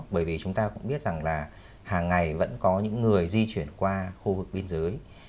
bởi vì chúng ta cũng biết rằng là hàng ngày vẫn có những người di chuyển qua khu vực biên giới